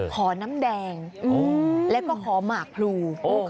ขอน้ำแดงแล้วก็ขอหมากพลู